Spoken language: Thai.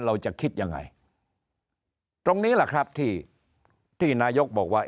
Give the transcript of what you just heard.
เราจะคิดยังไงตรงนี้แหละครับที่ที่นายกบอกว่า